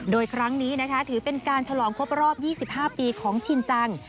โดยครั้งนี้นะคะถือเป็นการฉลองครบรอบ๒๕ปีของชินจัง